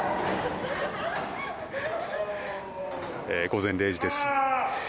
午前０時です。